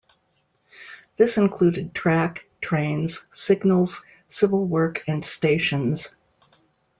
This included track, trains, signals, civil work and stations.